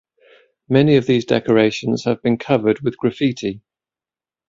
Many of these decorations have been covered with graffiti.